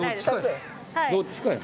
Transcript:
どっちかや。